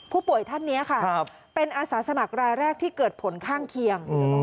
ผู้ป่วยท่านนี้ค่ะเป็นอาสาสมัครรายแรกที่เกิดผลข้างเคียง